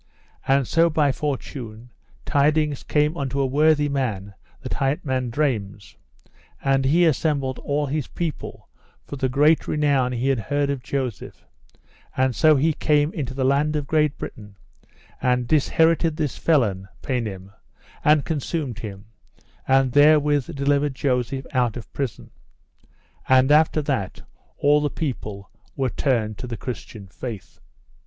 And so by fortune tidings came unto a worthy man that hight Mondrames, and he assembled all his people for the great renown he had heard of Joseph; and so he came into the land of Great Britain and disherited this felon paynim and consumed him, and therewith delivered Joseph out of prison. And after that all the people were turned to the Christian faith.